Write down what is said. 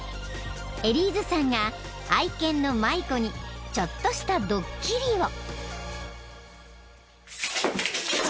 ［エリーズさんが愛犬のマイコにちょっとしたドッキリを］